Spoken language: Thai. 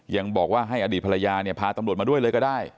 ยังบอกว่าให้อดีตภรรยาเนี่ยพาตำรวจมาด้วยเลยก็ได้